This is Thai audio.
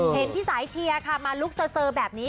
เห็นพี่สายเชียร์ค่ะมาลุกเซอร์แบบนี้